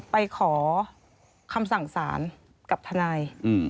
ไปขอคำสั่งสารกับทนาย